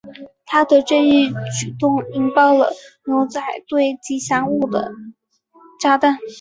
他的这一举动引爆了牛仔队吉祥物上的炸弹。